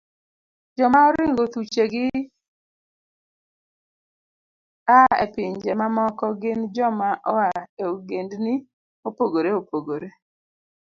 Joma oringo thuchegi a e pinje mamoko gin joma oa e ogendni mopogore opogore